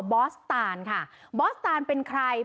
อสตานค่ะบอสตานเป็นใคร